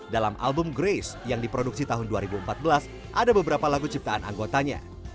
dalam album grace yang diproduksi tahun dua ribu empat belas ada beberapa lagu ciptaan anggotanya